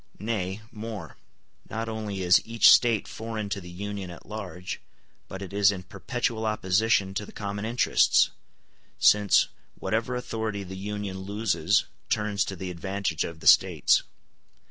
Nay, more; not only is each State foreign to the Union at large, but it is in perpetual opposition to the common interests, since whatever authority the Union loses turns to the advantage of the States.